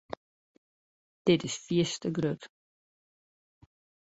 Dit is fierste grut.